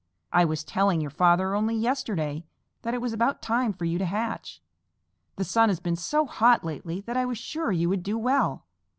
I was telling your father only yesterday that it was about time for you to hatch. The sun has been so hot lately that I was sure you would do well."